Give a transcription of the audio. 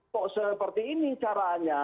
kok seperti ini caranya